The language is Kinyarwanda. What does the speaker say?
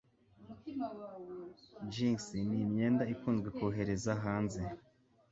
Jeans ni imyenda ikunzwe kohereza hanze.